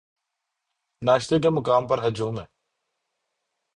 ناشتے کے مقامات پر ہجوم ہے۔